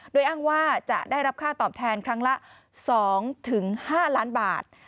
โดยอ้างว่าจะได้รับค่าตอบแทนครั้งละ๒๕ล้านบาท